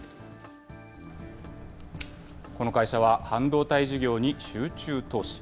この会社は、半導体事業に集中投資。